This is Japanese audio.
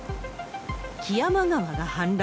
木山川が氾濫。